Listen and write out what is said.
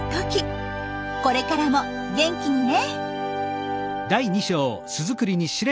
これからも元気にね！